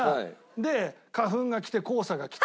で花粉が来て黄砂が来て。